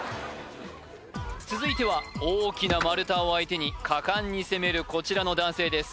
続いては大きな丸太を相手に果敢に攻めるこちらの男性です